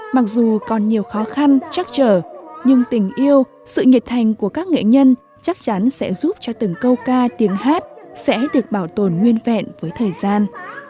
mặc dù còn nhiều khó khăn chắc trở nhưng tình yêu sự nhiệt thành của các nghệ nhân chắc chắn sẽ giúp cho từng câu ca tiếng hát sẽ được bảo tồn nguyên vẹn với thời gian